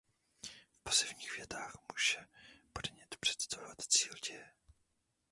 V pasivních větách může podmět představovat cíl děje.